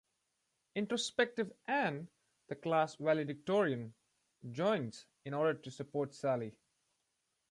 Introspective Anne, the class valedictorian, joins in order to support Sally.